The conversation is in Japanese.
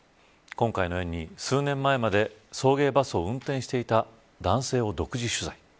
今回の園に数年前まで送迎バスを運転していた男性を独自取材。